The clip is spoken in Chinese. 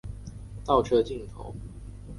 倒车镜头一般会连结并显示在车头显示器上。